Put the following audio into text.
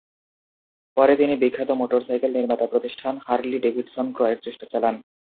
পরে তিনি বিখ্যাত মোটর সাইকেল নির্মাতা প্রতিষ্ঠান "হার্লি-ডেভিডসন" ক্রয়ের চেষ্টা চালান।